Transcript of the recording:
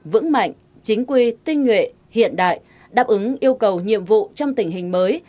vững mạnh chính quy tinh nhuệ hiện đại đáp ứng yêu cầu nhiệm vụ trong tình hình mới